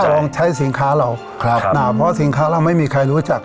ลองใช้สินค้าเราครับนะเพราะสินค้าเราไม่มีใครรู้จัก